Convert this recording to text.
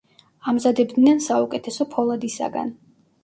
ამზადებდნენ საუკეთესო ფოლადისაგან.